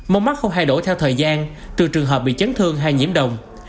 mông mắt không thay đổi theo thời gian trừ trường hợp bị chấn thương hay nhiễm đồng